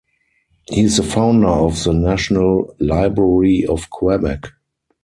He is the founder of the national library of Quebec.